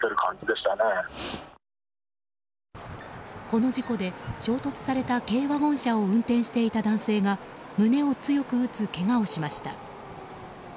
この事故で、衝突された軽ワゴン車を運転していた男性が胸を強く打つけがをしました。